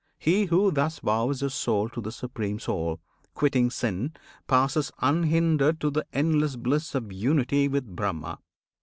He who thus vows His soul to the Supreme Soul, quitting sin, Passes unhindered to the endless bliss Of unity with Brahma.